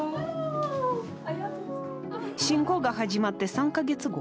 侵攻が始まって３か月後。